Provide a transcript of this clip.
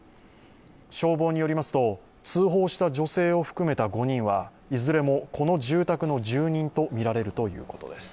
消防によりますと、通報した女性を含めた５人はいずれもこの住宅の住人とみられるということです。